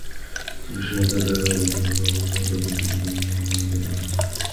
তবুও ঈশ্বর আমাদের দয়া করেননি, কারণ আমরা অন্যের প্রতি কোন দয়া-মমতা দেখাইনি।